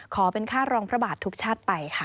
ขอเป็นค่ารองพระบาททุกชาติไปค่ะ